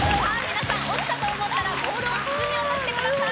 皆さんオチたと思ったらボールを筒に落としてください